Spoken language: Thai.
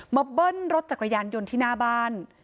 เบิ้ลรถจักรยานยนต์ที่หน้าบ้าน